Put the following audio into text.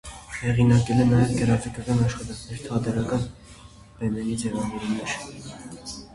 Հեղինակել է նաև գրաֆիկական աշխատանքներ, թատերական բեմերի ձևավորումներ։